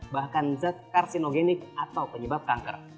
bahkan zat karsinogenik atau penyebab kanker